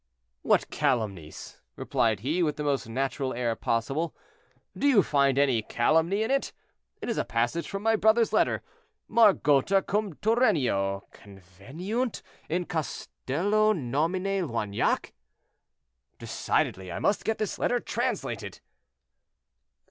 "What calumnies?" replied he, with the most natural air possible. "Do you find any calumny in it? It is a passage from my brother's letter—'Margota cum Turennio conveniunt in castello nomine Loignac!'—Decidedly I must get this letter translated."